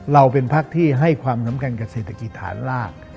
เราเป็นพักที่ให้ความสำคัญกับเศรษฐกิจฐานราก